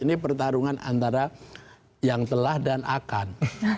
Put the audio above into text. ini pertarungan antara yang telah dan akan